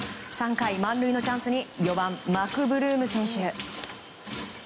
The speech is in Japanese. ３回、満塁のチャンスに４番、マクブルーム選手。